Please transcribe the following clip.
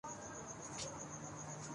ایران سے تو دشمنی ہے۔